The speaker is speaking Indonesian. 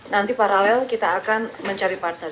nanti paralel kita akan mencari partner